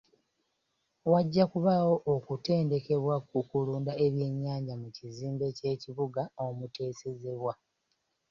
Wajja kubaawo okutendekebwa ku kulunda ebyennyanja mu kizimbe ky'ekibuga omuteesezebwa.